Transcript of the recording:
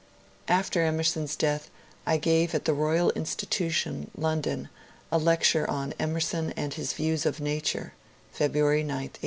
*' After Emerson's death I gave at the Royal Institution, London, a lec ture on " Emerson and his Views of Nature " (February 9, 1883).